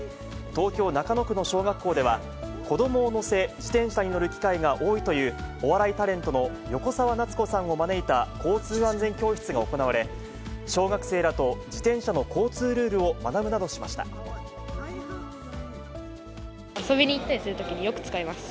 東京・中野区の小学校では、子どもを乗せ、自転車に乗る機会が多いというお笑いタレントの横澤夏子さんを招いた交通安全教室が行われ、小学生らと自転車の交通ルールを遊びに行ったりするときによく使います。